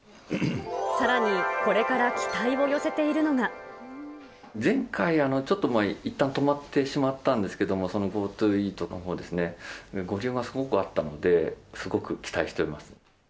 さらに、これから期待を寄せ前回、ちょっといったん止まってしまったんですけれども、ＧｏＴｏイートのほうですね、ご利用がすごくあったので、すごく期待しております。